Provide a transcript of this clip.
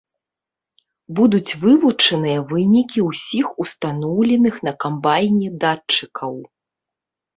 Будуць вывучаныя вынікі ўсіх устаноўленых на камбайне датчыкаў.